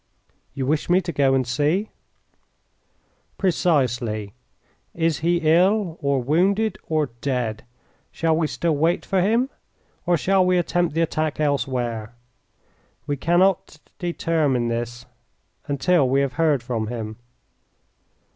"You wish me to go and see?" "Precisely. Is he ill, or wounded, or dead? Shall we still wait for him, or shall we attempt the attack elsewhere? We cannot determine this until we have heard from him.